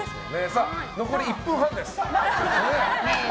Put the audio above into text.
さあ、残り１分半です。